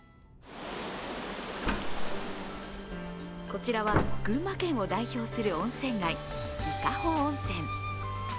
こちらは群馬県を代表する温泉街、伊香保温泉。